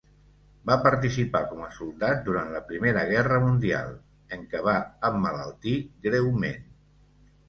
Va participar com a soldat durant la Primera Guerra mundial, en què va emmalaltir greument.